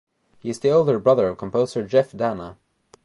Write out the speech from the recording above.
He is the older brother of composer Jeff Danna.